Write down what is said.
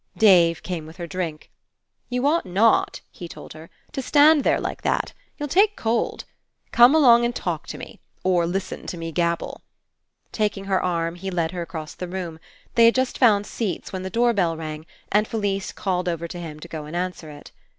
Dave came with her drink. "You ought not," he told her, "to stand there like that. You'll take cold. Come along and talk to me, or listen to me gabble." Taking her arm, he led her across the room. They had just found seats when the door bell rang and Felise called over to him to go and answer it.